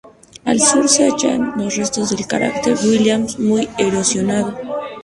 Al sur se hallan los restos del cráter Williams, muy erosionado.